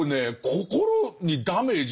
心にダメージ